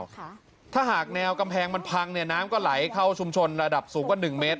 ค่ะถ้าหากแนวกำแพงมันพังเนี่ยน้ำก็ไหลเข้าชุมชนระดับสูงกว่าหนึ่งเมตร